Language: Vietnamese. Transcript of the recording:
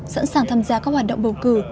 sẵn sàng tham gia các hoạt động bầu cử